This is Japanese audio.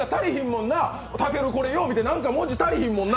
たける、よう見て、これ、文字何か足りひんもんな。